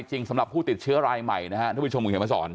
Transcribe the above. จริงสำหรับผู้ติดเชื้อรายใหม่นะฮะทุกผู้ชมมึงเห็นมาสอน